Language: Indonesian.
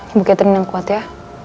ibu catering yang kuat ya